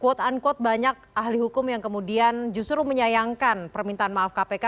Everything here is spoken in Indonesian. quote unquote banyak ahli hukum yang kemudian justru menyayangkan permintaan maaf kpk